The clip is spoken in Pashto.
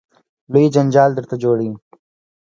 لوی جنجال درته جوړوي.